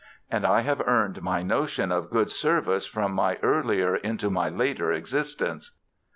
And I have earned my notion of good service from my earlier into my later existence.